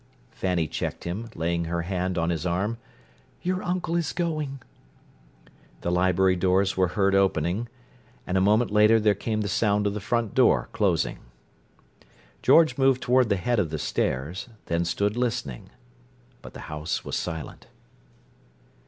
Fanny checked him, laying her hand on his arm. "Your uncle is going." The library doors were heard opening, and a moment later there came the sound of the front door closing. George moved toward the head of the stairs, then stood listening; but the house was silent.